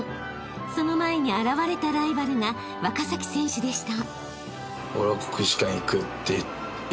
［その前に現れたライバルが若崎選手でした］